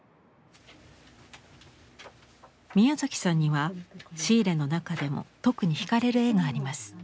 宮崎さんにはシーレの中でも特に惹かれる絵があります。